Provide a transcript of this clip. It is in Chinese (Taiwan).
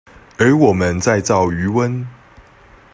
而我們在造魚塭